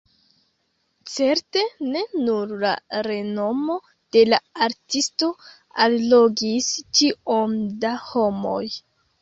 Certe ne nur la renomo de la artisto allogis tiom da homoj.